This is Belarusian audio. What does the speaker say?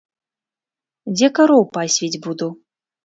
Дзе кароў пасвіць буду?!